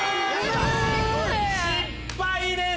失敗です。